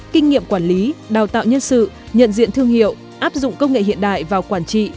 kinh nghiệm quản lý đào tạo nhân sự nhận diện thương hiệu áp dụng công nghệ hiện đại vào quản trị